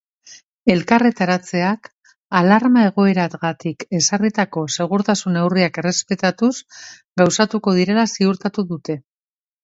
Elkarretaratzeak alarma egoeragatik ezarritako segurtasun neurriak errespetatuz gauzatuko direla ziurtatu dute.